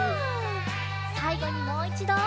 さいごにもういちど。